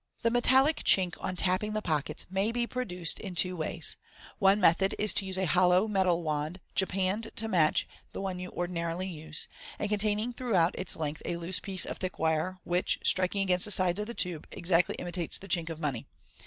The metallic chink on tapping the pockets may be produced in two ways. One method is to use a hollow metal wand, japanned to match the one you ordinarily use, and containing throughout its length a loose piece of thick wire, which, striking against the sides of the tube, exactly imitates the chink of money.